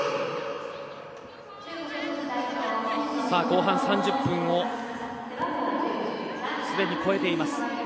後半３０分をすでに越えています。